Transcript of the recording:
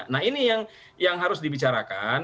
nah ini yang harus dibicarakan